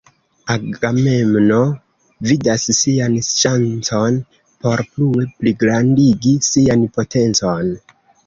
Agamemno vidas sian ŝancon por plue pligrandigi sian potencon.